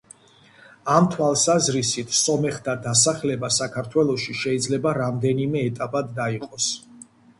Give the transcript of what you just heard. ამ თვალსაზრისით, სომეხთა დასახლება საქართველოში შეიძლება რამდენიმე ეტაპად დაიყოს.